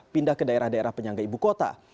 pindah ke daerah daerah penyangga ibu kota